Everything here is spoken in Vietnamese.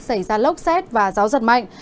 xảy ra lốc xét và gió giật mạnh